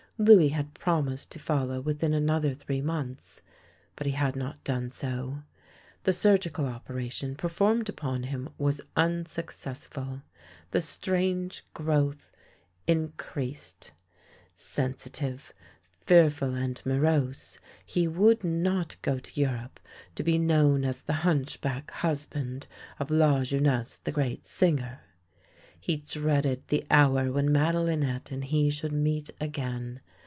Louis had promised to follow within another three months, but he had not done so. The surgical operation performed upon him was unsuccessful — the strange growth in creased. Sensitive, fearful and morose, he would not go to Europe to be known as the hunchback husband of Lajeunesse the great singer. He dreaded the hour when Madelinette and he should meet again.